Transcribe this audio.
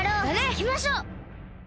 いきましょう！